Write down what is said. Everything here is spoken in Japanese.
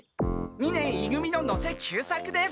二年い組の能勢久作です。